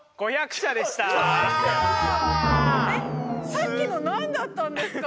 さっきの何だったんですか？